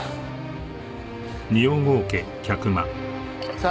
さあ。